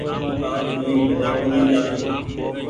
آج مينٚ گھري ڪونيٚ چآلون